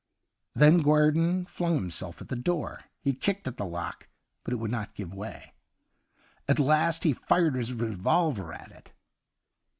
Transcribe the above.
Then Guerdon flung himself at the door. He kicked at the lock, but it would not give way. At last he fired his revolver at it.